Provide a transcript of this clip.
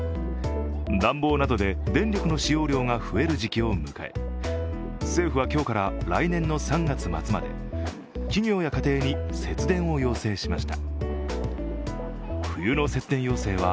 暖房などで電力の使用量が増える時期を迎え、政府は今日から来年の３月末まで企業や家庭に節電を要請しました。